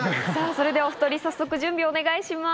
それではお２人早速準備をお願いします。